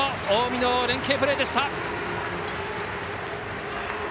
近江の連携プレーでした。